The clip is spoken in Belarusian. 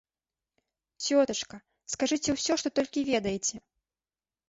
Цётачка, скажыце ўсё, што толькі ведаеце.